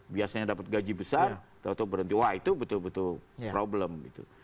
biasanya dapat gaji besar tau tau berhenti wah itu betul betul problem gitu